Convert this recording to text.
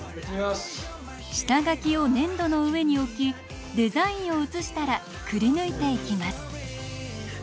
下書きを粘土の上に置きデザインを写したらくりぬいていきます。